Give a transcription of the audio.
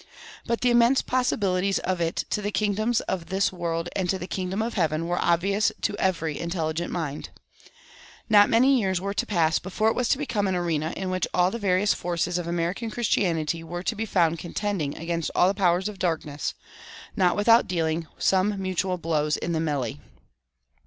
But the immense possibilities of it to the kingdoms of this world and to the kingdom of heaven were obvious to every intelligent mind. Not many years were to pass before it was to become an arena in which all the various forces of American Christianity were to be found contending against all the powers of darkness, not without dealing some mutual blows in the melley.